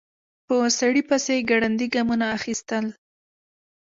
په سړي پسې يې ګړندي ګامونه اخيستل.